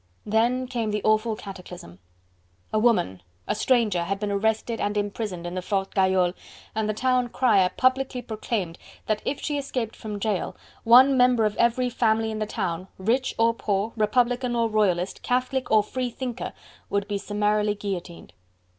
Then came the awful cataclysm. A woman a stranger had been arrested and imprisoned in the Fort Gayole and the town crier publicly proclaimed that if she escaped from jail, one member of every family in the town rich or poor, republican or royalist, Catholic or free thinker would be summarily guillotined.